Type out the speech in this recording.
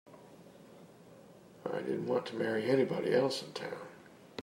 I didn't want to marry anybody else in town.